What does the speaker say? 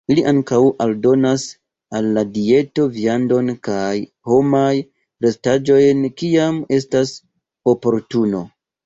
Ili ankaŭ aldonas al la dieto viandon kaj homaj restaĵojn kiam estas oportuno.